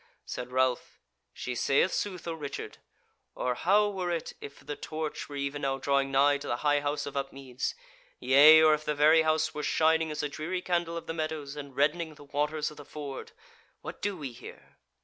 Said Ralph: "She sayeth sooth, O Richard. Or how were it if the torch were even now drawing nigh to the High House of Upmeads: yea, or if the very House were shining as a dreary candle of the meadows, and reddening the waters of the ford! What do we here?"